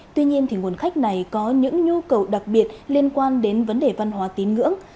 tuy nhiên nguồn khách này có những nhu cầu đặc biệt liên quan đến vấn đề văn hóa tín ngưỡng